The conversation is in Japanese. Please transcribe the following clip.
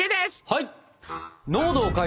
はい！